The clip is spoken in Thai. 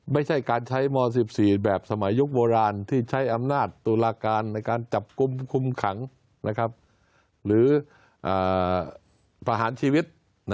ไม่ใช่การใช้ม๑๔แบบสมัยยุคโบราณที่ใช้อำนาจตุลาการในการจับกลุ่มคุมขังหรือประหารชีวิต